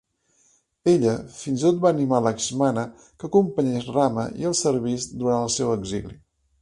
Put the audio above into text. Ella fins i tot va animar Lakshmana que acompanyés Rama i el servís durant el seu exili.